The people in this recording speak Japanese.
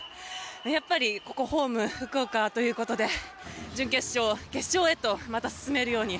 やっぱりここ、ホーム福岡ということで準決勝、決勝へとまた進めるように。